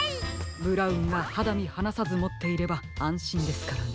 ブラウンがはだみはなさずもっていればあんしんですからね。